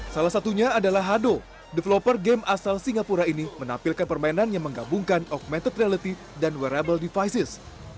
salah satunya adalah hado developer game asal singapura ini menampilkan permainan yang menggabungkan augmented reality dan wearable devices